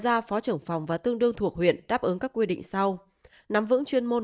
gia phó trưởng phòng và tương đương thuộc huyện đáp ứng các quy định sau nắm vững chuyên môn